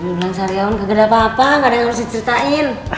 berusaha yaun kegedean papa papa nggak harus diceritain